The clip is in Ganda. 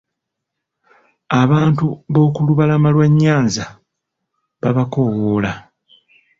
Abantu b'oku lubalama lwa Nyanza babakoowoola.